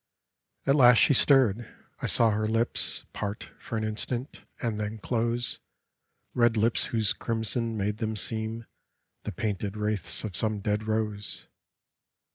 At last she stirred. I saw her lips Part for an instant, and then close — Red lips whose crimson made them seem The painted wraiths of some dead rose.